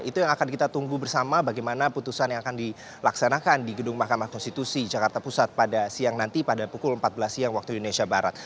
itu yang akan kita tunggu bersama bagaimana putusan yang akan dilaksanakan di gedung mahkamah konstitusi jakarta pusat pada siang nanti pada pukul empat belas siang waktu indonesia barat